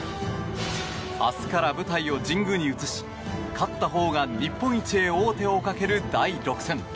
明日から舞台を神宮に移し勝ったほうが日本一へ王手をかける第６戦。